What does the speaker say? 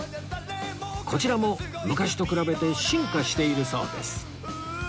こちらも昔と比べて進化しているそうです